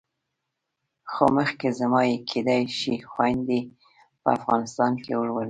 خو مخکې زما یې کېدای شي خویندې په افغانستان کې ولولي.